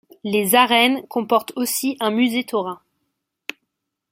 Les arènes comportent aussi un musée taurin.